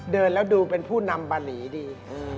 เดินแล้วดูเป็นผู้นำบาหลีดี